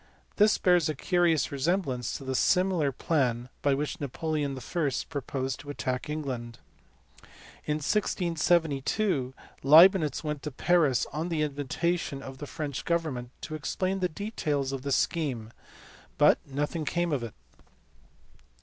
This bears a curious resemblance to the similar plan by which Napoleon I. proposed to attack England. In 1672 Leibnitz went to Paris on the invitation of the French government to explain the details of the scheme, but nothing came of it.